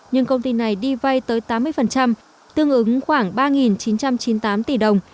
nhưng công ty này đi vay tới tám mươi tương ứng khoảng ba chín trăm chín mươi tám tỷ đồng